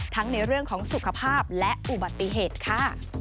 ในเรื่องของสุขภาพและอุบัติเหตุค่ะ